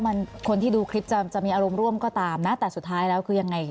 มันคนที่ดูคลิปจะมีอารมณ์ร่วมก็ตามนะแต่สุดท้ายแล้วคือยังไง